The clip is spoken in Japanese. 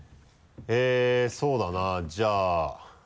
そうだなじゃあ。